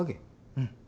うん。